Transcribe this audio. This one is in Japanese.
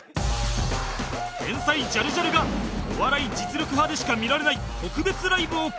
天才ジャルジャルが『お笑い実力刃』でしか見られない特別ライブを開催